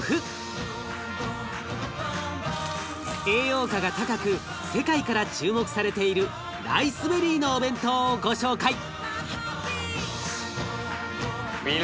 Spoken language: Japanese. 栄養価が高く世界から注目されているライスベリーのお弁当をご紹介！